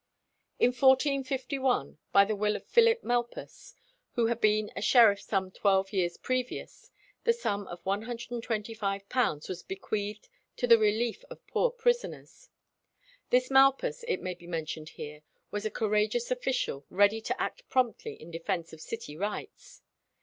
In 1451, by the will of Phillip Malpas, who had been a sheriff some twelve years previous, the sum of £125 was bequeathed to "the relief of poor prisoners." This Malpas, it may be mentioned here, was a courageous official, ready to act promptly in defence of city rights.